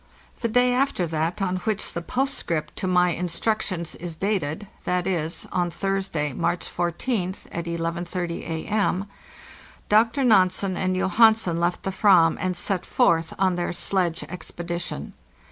* The day after that on which the postscript to my instruc tions is dated—z.¢c., on Thursday, March 14th, at 11.30 A.M.— Dr. Nansen and Johansen left the "vam and set forth on their sledge expedition.